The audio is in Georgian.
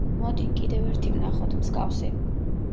მოდი, კიდევ ერთი ვნახოთ, მსგავსი.